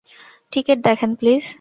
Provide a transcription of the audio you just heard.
Ticket দেখান, please.